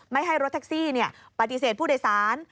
ไม่ให้รถแท็กซี่ปฏิเสธผู้โดยสาร